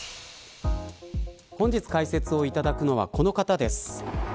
本日解説をいただくのはこの方です。